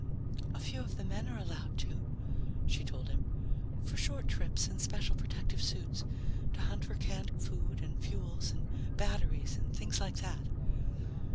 "A few of the men are allowed to," she told him, "for short trips in special protective suits, to hunt for canned food and fuels and batteries and things like that."